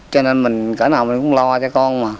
cho nên mình cỡ nào mình cũng lo cho con mà